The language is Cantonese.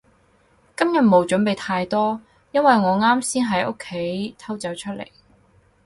今日冇準備太多，因為我啱先喺屋企偷走出嚟